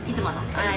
はい。